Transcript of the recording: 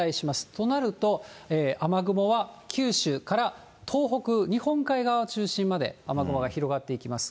となると、雨雲は九州から東北、日本海側中心まで雨雲が広がっていきます。